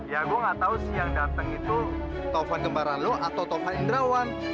ya gue nggak tahu sih yang datang itu taufan gembaran lu atau taufan indrawan